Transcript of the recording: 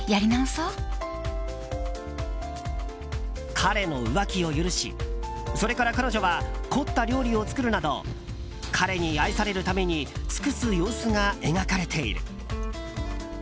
彼の浮気を許しそれから彼女は凝った料理を作るなど彼に愛されるために尽くす様子が描かれている。